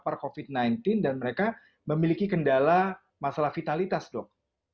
terpapar covid sembilan belas dan mereka memiliki kendala masalah vitalitas dok